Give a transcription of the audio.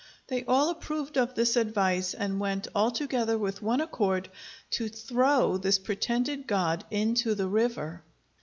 They all approved of this advice, and went all together with one accord to throw this pretended god into the river.